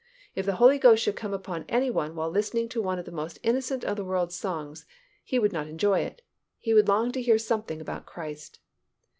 If the Holy Ghost should come upon any one while listening to one of the most innocent of the world's songs, he would not enjoy it, he would long to hear something about Christ.